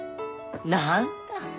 なんだ！